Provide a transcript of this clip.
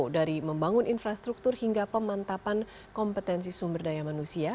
dari membangun infrastruktur hingga pemantapan kompetensi sumber daya manusia